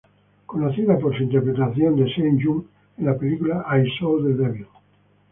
Conocida por su interpretación de Se-jung en la película"I Saw the Devil".